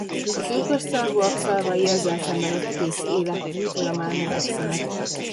A tülkösszarvúak szarvai ezzel szemben az egész élet folyamán növekszenek.